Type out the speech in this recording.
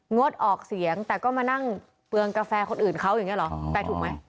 งดออกเสียงแต่ก็มานั่งเปลืองกาแฟคนอื่นเขาอย่างนี้เหรอแต่ถูกไหม